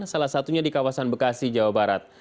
salah satunya di kawasan bekasi jawa barat